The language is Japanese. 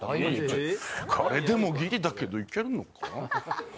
これでもギリだけどいけるのか？